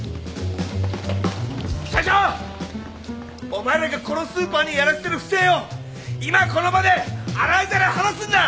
お前らがこのスーパーにやらせてる不正を今この場で洗いざらい話すんだ！